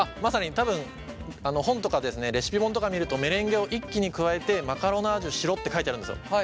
多分本とかレシピ本とか見るとメレンゲを一気に加えてマカロナージュしろって書いてあるんですよ。